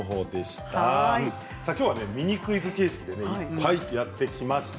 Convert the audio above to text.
きょうはミニクイズ形式でやってきました。